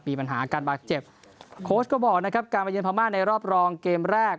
มีปัญหาการบาดเจ็บโค้ชก็บอกนะครับการมาเยือพม่าในรอบรองเกมแรก